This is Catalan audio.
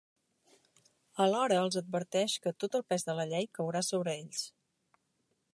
Alhora els adverteix que ‘tot el pes de la llei’ caurà sobre ells.